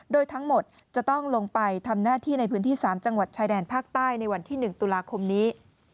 โดยทั้งหมดจะต้องลงไปทำหน้าที่ในพื้นที่๓จังหวัดชายแดนภาคใต้ในวันที่๑ตุลาคมนี้